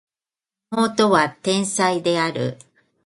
妹は天才である